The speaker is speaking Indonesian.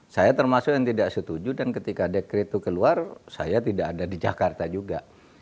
saya termasuk yang tidak setuju dan ketika dekret itu keluar saya tidak ada di jakarta juga